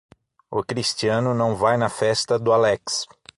O Cristiano não vai na festa do Alex.